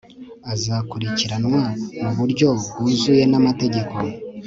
azakurikiranwa mu buryo bwuzuye n'amategeko